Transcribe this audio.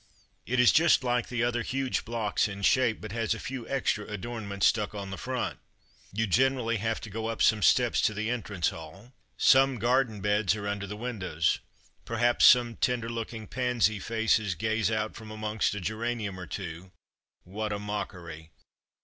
It is just like the other huge blocks in shape but has a few extra adornments stuck Barracks and Botany 19 on the front. You generally have to go up some steps to the entrance hall. Some garden beds are under the windows. Per haps some tender looking pansy faces gaze out from amongst a geranium or two — what a mockery!